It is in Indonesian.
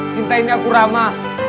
sinta ini aku rama